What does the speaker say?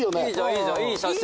いいじゃんいい写真。